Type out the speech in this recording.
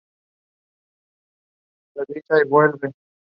Las Universidades Interculturales atienden estudiantes indígenas y no indígenas.